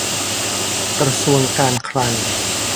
กระทรวงการคลัง